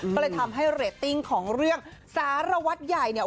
ก็เลยทำให้เรตติ้งของเรื่องสารวัตรใหญ่เนี่ย